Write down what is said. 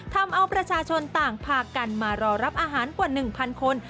ทำเอาประชาชนต่างพากันมารอรับอาหารกว่า๑๐๐คน